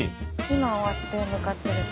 今終わって向かってる。